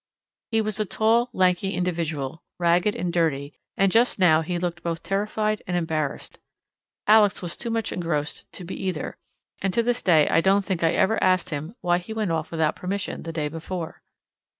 He was a tall lanky individual, ragged and dirty, and just now he looked both terrified and embarrassed. Alex was too much engrossed to be either, and to this day I don't think I ever asked him why he went off without permission the day before.